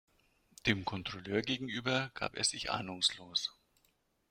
Dem Kontrolleur gegenüber gab er sich ahnungslos.